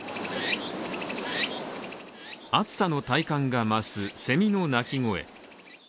暑さの体感が増す、せみの鳴き声。